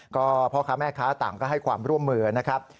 ก็พ่อค้าแม่ค้าต่างก็ให้ความร่วมมือนะครับ